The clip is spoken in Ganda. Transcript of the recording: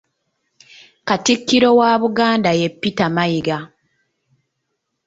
Katikkiro wa Buganda ye Peter Mayiga.